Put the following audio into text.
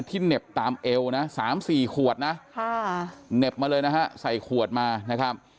ที่เหน็บตามเอวนะสามสี่ขวดนะค่ะเหน็บมาเลยนะฮะใส่ขวดมานะครับ